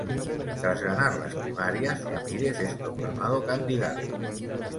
Tras ganar las primarias, Ramírez es proclamado candidato.